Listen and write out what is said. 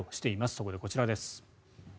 そこでこちらです。